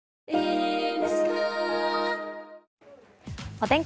お天気